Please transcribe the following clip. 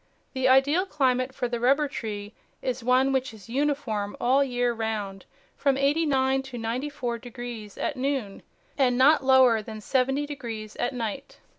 The ideal climate for the rubber tree is one which is uniform all the year round, from eighty nine to ninety four degrees at noon, and riot lower than seventy degrees at night.